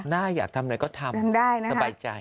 ได้อยากทำอะไรก็ทำ